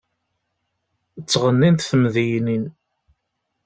Ttɣennint temdeyynin.